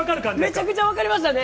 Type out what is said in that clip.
めちゃくちゃ分かりましたね。